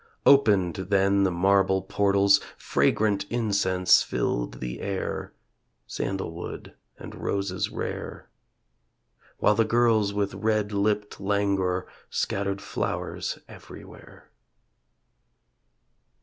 Opened then the marble portals. Fragrant incense filled the air, (Sandalwood and roses rare) While the girls with red lipped languor Scattered flowers everywhere.